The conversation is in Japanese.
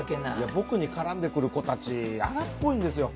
僕に絡んでくる子たち荒っぽいんですよ。